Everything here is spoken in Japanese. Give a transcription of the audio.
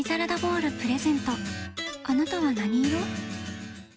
あなたは何色？